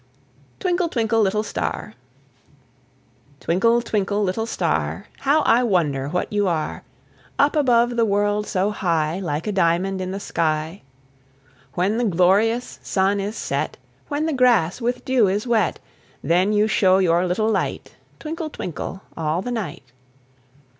TWINKLE, TWINKLE, LITTLE STAR. Twinkle, twinkle, little star! How I wonder what you are, Up above the world so high, Like a diamond in the sky. When the glorious sun is set, When the grass with dew is wet, Then you show your little light, Twinkle, twinkle all the night.